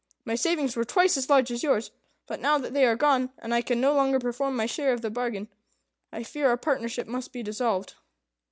My savings were twice as large as yours; but now that they are gone, and I can no longer perform my share of the bargain, I fear our partnership must be dissolved."